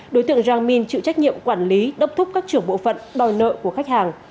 đối tượng giang minh chịu trách nhiệm quản lý đốc thúc các trưởng bộ phận đòi nợ của khách hàng